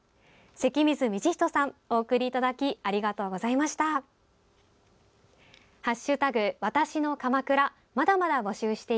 関水理人さん、お送りいただきありがとうございました。